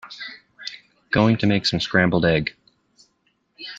Going to make some scrambled egg.